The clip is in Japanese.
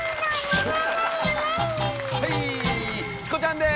チコちゃんです。